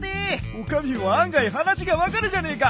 お上も案外話が分かるじゃねえか！